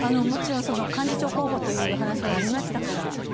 もちろん幹事長候補という声もありましたから。